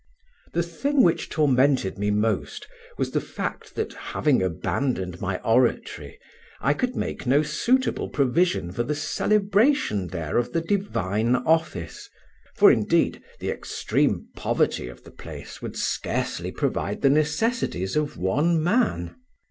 The thing which tormented me most was the fact that, having abandoned my oratory, I could make no suitable provision for the celebration there of the divine office, for indeed the extreme poverty of the place would scarcely provide the necessities of one man.